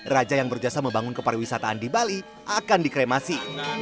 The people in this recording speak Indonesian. raja yang berjasa membangun kepariwisataan di bali akan dikremasi